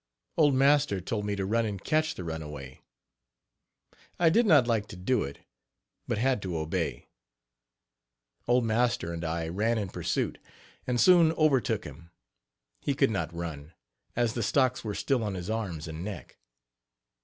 Old master told me to run and catch the runaway. I did not like to do it, but had to obey. Old master and I ran in pursuit, and soon overtook him. He could not run, as the stocks were still on his arms and neck.